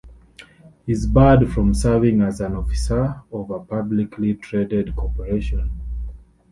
He is barred from serving as an officer of a publicly traded corporation.